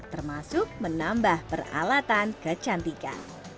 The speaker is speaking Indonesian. termasuk menambah peralatan kecantikan